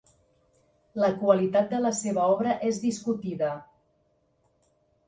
La qualitat de la seva obra és discutida.